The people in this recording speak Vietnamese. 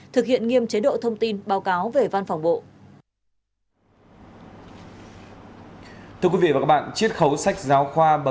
thực hiện nghiêm chế độ thông tin báo cáo về văn phòng bộ